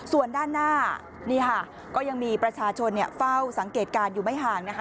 ส่วนด้านหน้านี่ค่ะก็ยังมีประชาชนเฝ้าสังเกตการณ์อยู่ไม่ห่างนะคะ